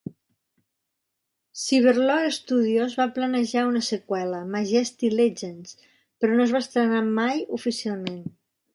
Cyberlore Studios va planejar una seqüela, Majesty Legends, però no es va estrenar mai oficialment.